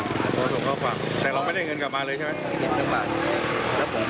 ส่งเข้าฝั่งแต่เราไม่ได้เงินกลับมาเลยใช่ไหม